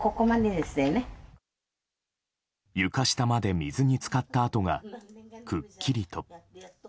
床下まで水に浸かった跡がくっきりと。